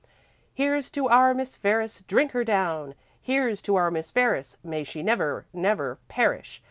"Here's to our Miss Ferris, drink her down! Here's to our Miss Ferris, may she never, never perish!